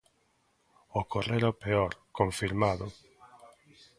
Ocorrera o peor, confirmado.